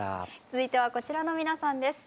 続いてはこちらの皆さんです。